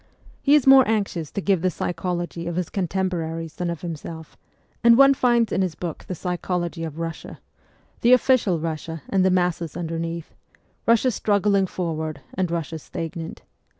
He is more anxious to give the psychology of his contemporaries than of himself ; and one finds in his book the psychology of Kussia : the official Kussia and the masses underneath Kussia struggling forward and Kussia stagnant.